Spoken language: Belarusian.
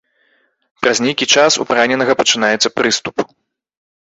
Праз нейкі час у параненага пачынаецца прыступ.